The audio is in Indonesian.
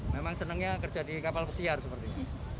memang senangnya kerja di kapal pesiar seperti ini